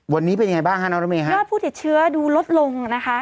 วันนี้เป็นยังไงบ้างฮะน้องรถเมฮะยอดผู้ติดเชื้อดูลดลงนะคะ